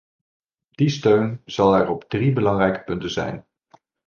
Die steun zal er op drie belangrijke punten zijn.